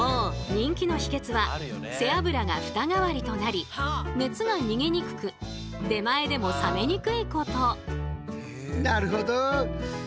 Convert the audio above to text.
人気の秘けつは背脂がフタ代わりとなり熱が逃げにくく出前でも冷めにくいこと。